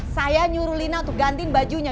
saya nyuruh lina untuk gantiin bajunya